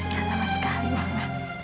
ga sama sekali mama